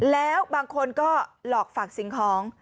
แล้วบางคนก็หลอกฝากสิ่งของ